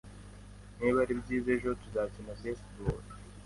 Niba ari byiza ejo, tuzakina baseball